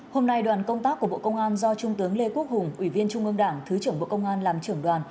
hôm nay đoàn công tác của bộ công an do trung tướng lê quốc hùng ủy viên trung ương đảng thứ trưởng bộ công an làm trưởng đoàn